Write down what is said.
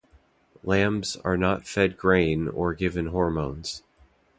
Lambs are not fed grain or given hormones.